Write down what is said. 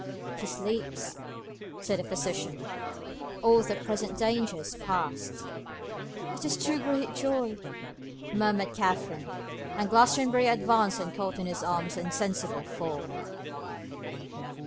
'He sleeps,' said the physician; 'all present danger is past.' 'It is too great joy,' murmured Katherine; and Glastonbury advanced and caught in his arms her insensible form.